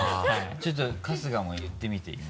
ちょっと春日も言ってみて今。